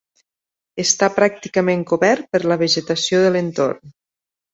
Està pràcticament cobert per la vegetació de l'entorn.